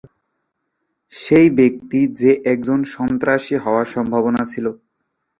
সেই ব্যক্তি যে একজন সন্ত্রাসী হওয়ার সম্ভাবনা কী?